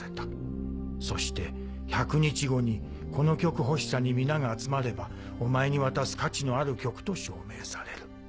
そして百日後にこの曲欲しさに皆が集まればお前に渡す価値のある曲と証明される。